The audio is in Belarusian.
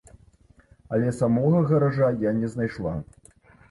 Але самога гаража я не знайшла.